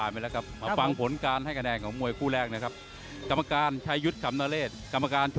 มวยคู่แรก